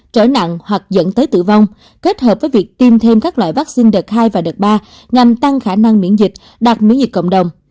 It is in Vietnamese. trở nặng hoặc dẫn tới tử vong kết hợp với việc tiêm thêm các loại vaccine đợt hai và đợt ba nhằm tăng khả năng miễn dịch đạt miễn dịch cộng đồng